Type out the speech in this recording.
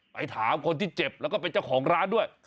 ไปถามคนที่เจ็บแล้วก็เป็นเจ้าของร้านด้วย